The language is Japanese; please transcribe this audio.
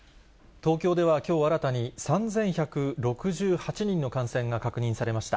東京ではきょう新たに、３１６８人の感染が確認されました。